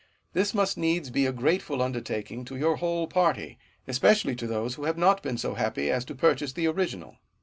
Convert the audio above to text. This must needs be a grateful undertaking to your whole party ; especially to those who have not been so happy as to purchase the original.